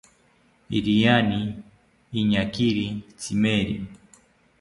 Iriani iñakiri tzimeri